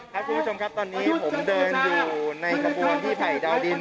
คุณผู้ชมครับตอนนี้ผมเดินอยู่ในกระบวนที่ไผ่ดาวดิน